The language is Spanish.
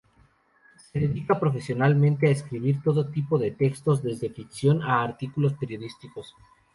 Se dedica profesionalmente a escribir todo tipo de textos, desde ficción a artículos periodísticos.